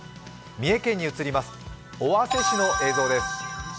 三重県に移ります、尾鷲市の映像です。